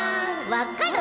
わかる？